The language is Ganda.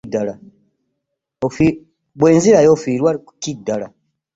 Bwe nzirayo ofiirwa ki ddala?